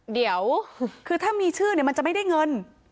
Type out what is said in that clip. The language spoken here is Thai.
เดี๋ยวคือถ้ามีชื่อเนี่ยมันจะไม่ได้เงิน